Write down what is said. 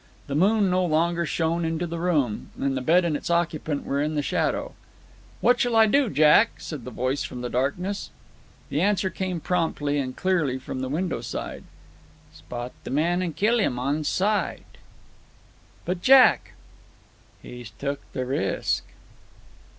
The moon no longer shone into the room, and the bed and its occupant were in shadow. "What shall I do, Jack?" said the voice from the darkness. The answer came promptly and clearly from the window side: "Spot the man, and kill him on sight." "But, Jack?" "He's took the risk!"